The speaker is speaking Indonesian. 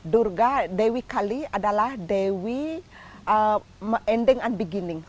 durga dewi kali adalah dewi ending and beginning